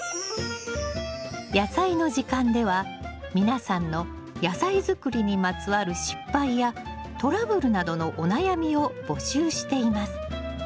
「やさいの時間」では皆さんの野菜づくりにまつわる失敗やトラブルなどのお悩みを募集しています。